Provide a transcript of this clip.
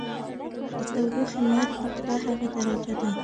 د تودوخې مرګ نقطه هغه درجه ده.